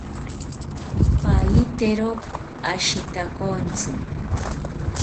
Pahitero ashitakontzi